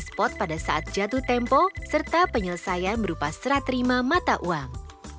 spot pada saat jatuh tempo serta penyelesaian berupa serat terima mata uang